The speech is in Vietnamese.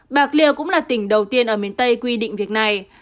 bạc liêu cũng là tỉnh đầu tiên ở miền tây quy định việc này